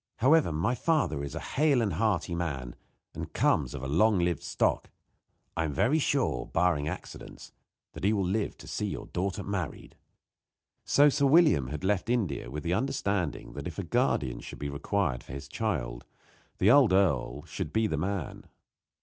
However, my father is a hale and hearty man, and comes of a long lived stock. I am very sure, barring accidents, that he will live to see your daughter married." So Sir William had left India with the understanding that if a guardian should be required for his child the old earl should be the man.